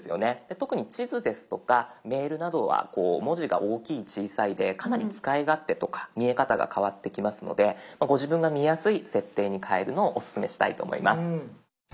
特に地図ですとかメールなどは文字が大きい小さいでかなり使い勝手とか見え方が変わってきますのでご自分が見やすい設定に変えるのをオススメしたいと思います。